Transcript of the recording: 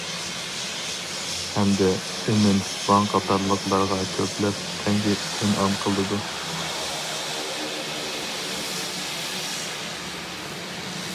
ھەمدە ئىمىن ۋاڭ قاتارلىقلارغا كۆپلەپ تەڭگە ئىنئام قىلىدۇ.